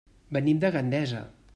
Venim de Gandesa.